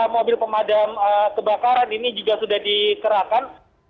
mobil pemadam kebakaran ini juga sudah dikerahkan